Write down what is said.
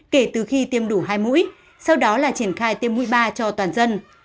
kể từ khi tiêm đủ hai mũi sau đó là triển khai tiêm mũi ba cho toàn dân